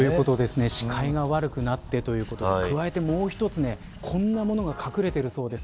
視界が悪くなってということに加えてもう一つこんなものが隠れているそうです。